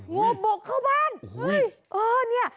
งูบกเข้าบ้านเห้ยโอ้โฮนี่